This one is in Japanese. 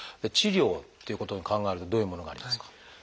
治療っていうことを考えるとどういうものがありますか？